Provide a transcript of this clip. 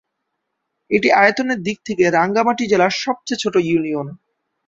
এটি আয়তনের দিক থেকে রাঙ্গামাটি জেলার সবচেয়ে ছোট ইউনিয়ন।